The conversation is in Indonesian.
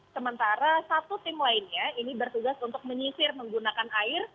sementara satu tim lainnya ini bertugas untuk menyisir menggunakan air